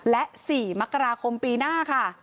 และ๔มกราคมปีหน้าค่ะ